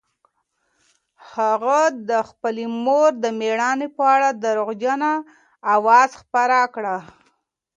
هغه د خپلې مور د مړینې په اړه درواغجنه اوازه خپره کړه.